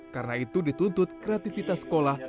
karena itu dituntut kreativitas sekolah